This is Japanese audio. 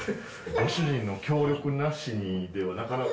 ご主人の協力なしにでは、なかなか。